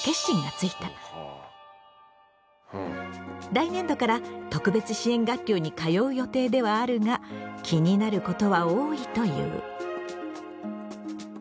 来年度から特別支援学級に通う予定ではあるが気になることは多いという。